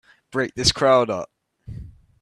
Break this crowd up!